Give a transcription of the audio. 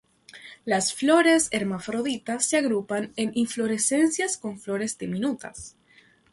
Las flores hermafroditas se agrupan en inflorescencias con flores diminutas.